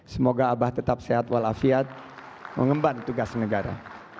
semoga abah tetap sehat walafiat mengemban tugas negara